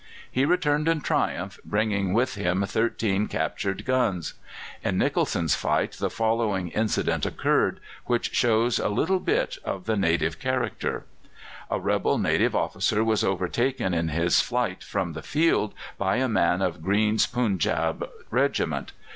He returned in triumph, bringing with him thirteen captured guns. In Nicholson's fight the following incident occurred, which shows a little bit of the native character: A rebel native officer was overtaken in his flight from the field by a man of Green's Punjab regiment.